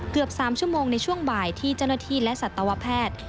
เกือบ๓ชั่วโมงในช่วงบ่ายที่เจ้าหน้าที่และสัตวแพทย์